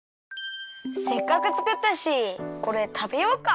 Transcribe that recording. せっかくつくったしこれたべようか。